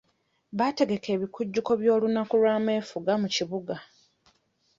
Baategeka ebikujjuko by'olunaku lw'ameefuga mu kibuga.